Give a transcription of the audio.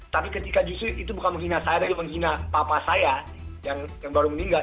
tapi ketika justru itu bukan menghina saya tapi menghina papa saya yang baru meninggal